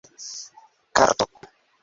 karto